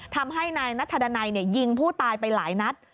ทำให้นายนัทธดันัยยิงผู้ตายไปหลายนัด